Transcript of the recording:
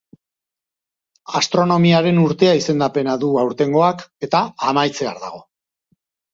Astronomiaren urtea izendapena du aurtengoak eta amaitzear dago.